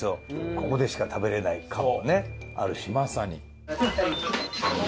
ここでしか食べられない感もねあるし。